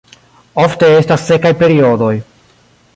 Ofte estas sekaj periodoj.